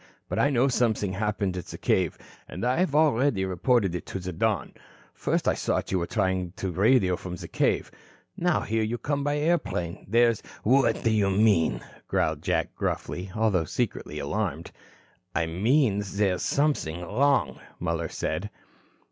"But I know something happened at the cave and I have already reported so to the Don. First I thought you were trying to radio from the cave. Now here you come by airplane. There's " "What do you mean?" growled Jack gruffly, although secretly alarmed. "I mean there's something wrong," Muller said.